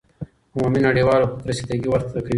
عمومی نړیوال حقوق رسیده ګی ورته کوی